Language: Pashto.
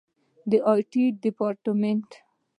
د آی ټي ډیپارټمنټ